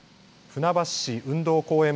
船橋市運動公園